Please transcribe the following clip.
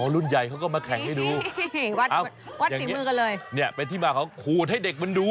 รุ่นใหญ่เขาก็มาแข่งให้ดูวัดฝีมือกันเลยเนี่ยเป็นที่มาของขูดให้เด็กมันดู